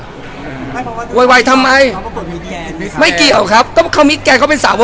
ไหวไหวทำไมไม่กี่เกี่ยวครับต้องเขาวิทยาเขาเป็นสาว